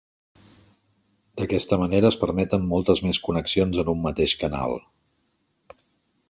D'aquesta manera es permeten moltes més connexions en un mateix canal.